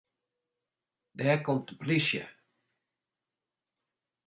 Dêr komt de plysje.